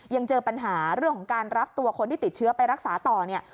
ยังเจอปัญหาเรื่องของการรับตัวคนที่ติดเชื้อไปรักษาต่อเนี่ย